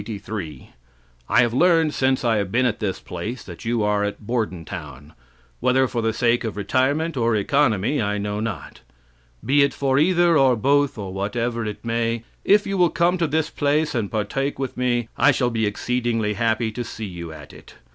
I have learned, since I have been at this place, that you are at Bordentown. Whether for the sake of retirement or economy, I know not. Be it for either, or both, or whatever it may, if you will come to this place and partake with me, I shall be exceedingly happy to see you at it.